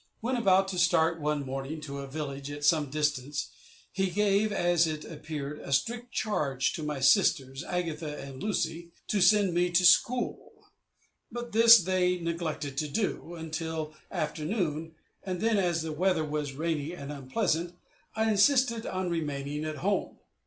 When about to start one morning to a village at some distance, he gave, as it appeared, a strict charge to my sisters, Agatha and Lucy, to send me to school; but this they neglected to do until afternoon, and then, as the weather was rainy and unpleasant, I insisted on remaining at home.